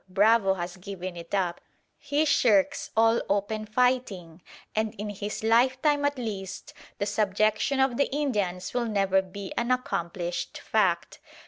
Bravo has given it up. He shirks all open fighting, and in his lifetime at least the subjection of the Indians will never be an accomplished fact.